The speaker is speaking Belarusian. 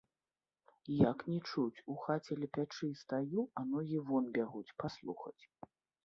Як не чуць, у хаце ля печы стаю, а ногі вон бягуць, паслухаць.